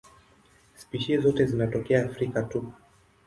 Spishi zote zinatokea Afrika tu.